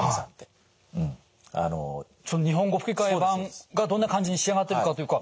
その日本語吹き替え版がどんな感じに仕上がってるかというか。